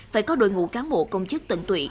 phải có đội ngũ cán bộ công chức tận tụy